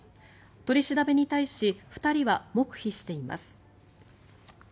取り調べに対し２人は黙秘しています。